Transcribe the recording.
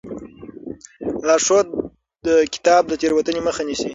لارښود کتاب د تېروتنې مخه نیسي.